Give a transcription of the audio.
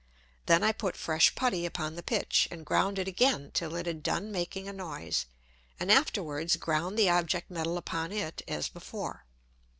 Then I put fresh Putty upon the Pitch, and ground it again till it had done making a noise, and afterwards ground the Object Metal upon it as before.